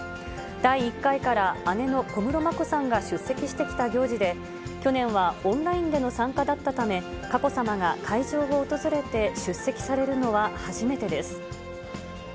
第１回から姉の小室眞子さんが出席してきた行事で、去年はオンラインでの参加だったため、佳子さまが会場を訪れて、出席されるのは初めてです。